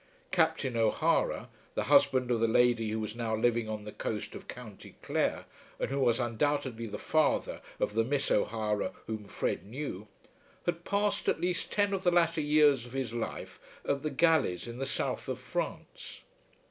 Captain O'Hara, the husband of the lady who was now living on the coast of County Clare, and who was undoubtedly the father of the Miss O'Hara whom Fred knew, had passed at least ten of the latter years of his life at the galleys in the south of France.